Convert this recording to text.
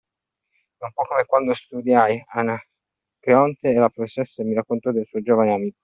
È un po’ come quando studiai Anacreonte e la professoressa mi raccontò del suo giovane amico.